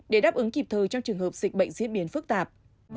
để đáp ứng kịp thời trong trường hợp dịch bệnh diễn biến phức tạp